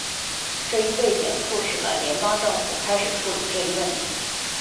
这一背景促使了联邦政府开始处理这一问题。